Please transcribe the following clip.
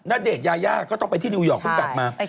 ณเดชน์ยายาก็ต้องไปที่นิวยอร์กเพิ่งกลับมา